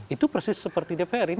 itu persis seperti dpr ini